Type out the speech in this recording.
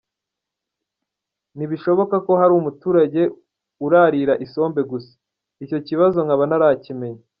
Ntibishoboka ko hari umuturage urarira isombe gusa, icyo kibazo nkaba ntarakimenya.